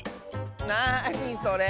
なにそれ！